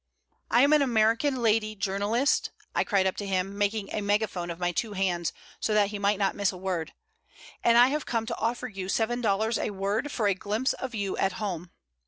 "I am an American lady journalist," I cried up to him, making a megaphone of my two hands so that he might not miss a word, "and I have come to offer you seven dollars a word for a glimpse of you at home."